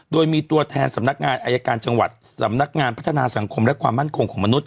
โดยมีตัวแทนสำนักงานอายการจังหวัดสำนักงานพัฒนาสังคมและความมั่นคงของมนุษย